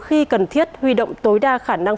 khi cần thiết huy động tối đa khả năng